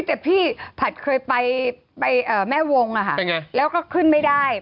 แต่พี่ผัดเคยไปไปเอ่อแม่วงอ่ะค่ะเป็นไงแล้วก็ขึ้นไม่ได้